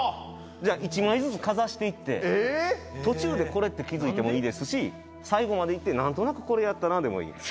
じゃあ１枚ずつかざしていって途中で「これ」って気付いてもいいですし最後までいって「なんとなくこれやったな」でもいいです。